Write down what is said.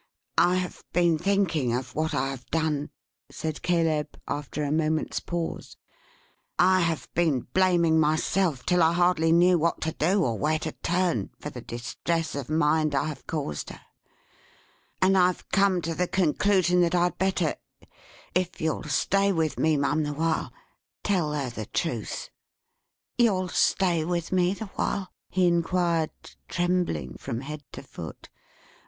I have been thinking of what I have done," said Caleb, after a moment's pause; "I have been blaming myself 'till I hardly knew what to do or where to turn, for the distress of mind I have caused her; and I've come to the conclusion that I'd better, if you'll stay with me, Mum, the while, tell her the truth. You'll stay with me the while?" he enquired, trembling from head to foot.